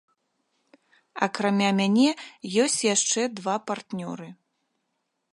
Акрамя мяне, ёсць яшчэ два партнёры.